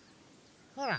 ほら！